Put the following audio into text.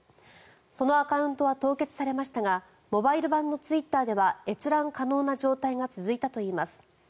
そのアカウントは凍結されましたがモバイル版のツイッターでは閲覧可能な状態が続いたといいます。